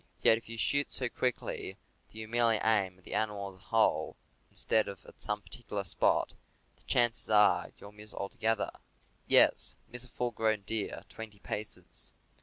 Yet, if you shoot so quickly that you merely aim at the ani mal as a whole, instead of at some one particular spot, the chances are that you will miss altogether — yes, miss a full grown deer at twenty paces.